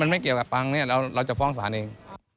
อ๋อมันมันไม่เกี่ยวกับปลางเราก็จะฟ้องสารเอง